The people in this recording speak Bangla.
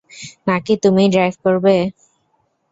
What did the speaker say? নাকি তুমিই ড্রাইভ করবে?